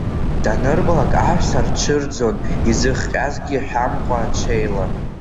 Данырбалак аҳәса рҽырӡон, изыхҟьазгьы ҳәамкәа ҽеила.